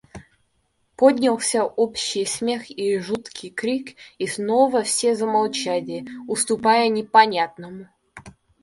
Поднялся общий смех и жуткий крик — и снова все замолчали, уступая непонятному.